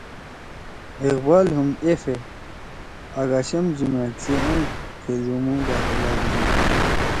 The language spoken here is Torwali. اقبال ہُم )ایف اے( اگاشم جُمأت سی ائں تھیدئمُو داخلہ گھیِن